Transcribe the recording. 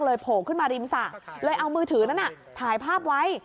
โผล่ขึ้นมาริมสระเลยเอามือถือนั้นถ่ายภาพไว้